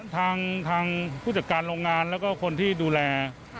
ทางผู้จัดการโรงงานแล้วก็คนที่ดูแล